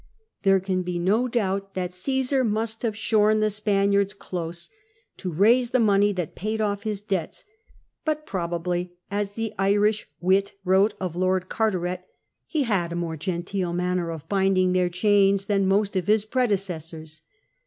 There can be no doubt CMSAKS RULE IN SPAIN 307 that Caesar must have shorn the Spaniards close, to raise the money that paid off his debts ; but, probably (as the Irish wit wrote of Lord Carteret), " he had a more genteel manner of binding their chains than most of his pre decessors."